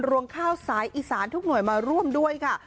วงข้าวสายอีสานทุกหน่วยมาร่วมด้วยค่ะ